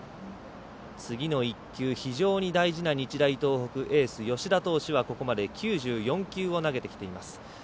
次の１球、非常に大事な日大東北エース、吉田投手はここまで９４級を投げています。